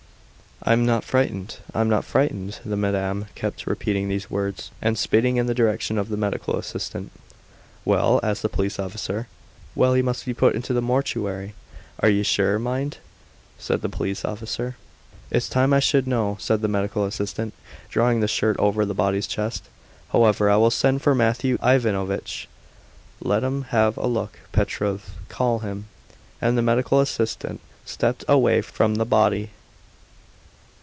"I'm not frightened, I'm not frightened." The madman kept repeating these words, and spitting in the direction of the medical assistant. "Well?" asked the police officer. "Well! He must be put into the mortuary." "Are you sure? Mind," said the police officer. "It's time I should know," said the medical assistant, drawing the shirt over the body's chest. "However, I will send for Mathew Ivanovitch. Let him have a look. Petrov, call him," and the medical assistant stepped away from the body.